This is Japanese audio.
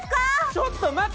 ちょっと待て！